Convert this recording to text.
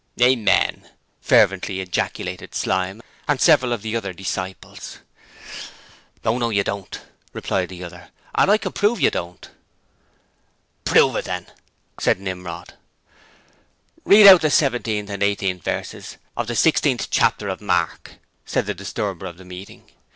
'Amen,' fervently ejaculated Slyme and several of the other disciples. 'Oh no, you don't,' replied the other. 'And I can prove you don't.' 'Prove it, then,' said Nimrod. 'Read out the 17th and 18th verses of the XVIth chapter of Mark,' said the disturber of the meeting.